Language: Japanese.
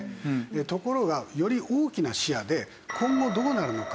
ところがより大きな視野で今後どうなるのか？